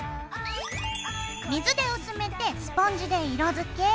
水で薄めてスポンジで色づけ。